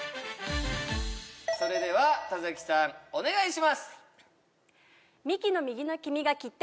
それでは田さんお願いします